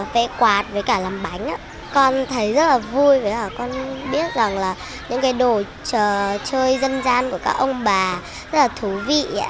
vẽ quạt với cả làm bánh con thấy rất là vui vì con biết rằng những đồ chơi dân gian của các ông bà rất là thú vị